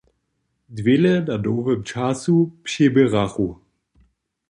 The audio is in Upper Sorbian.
Dwěle na nowym času přiběrachu.